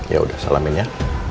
ya udah salamin ya